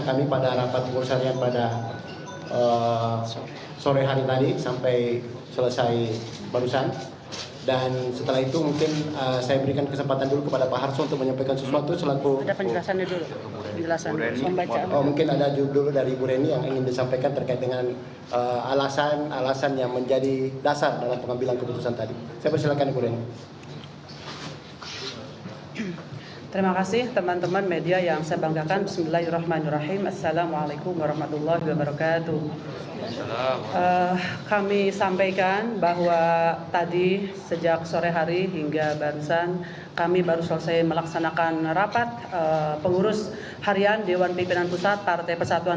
kepada pemerintah saya ingin mengucapkan terima kasih kepada pemerintah dan pemerintah pemerintah yang telah menonton